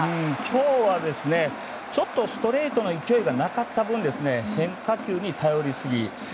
今日はちょっとストレートの勢いがなかった分、変化球に頼りすぎ。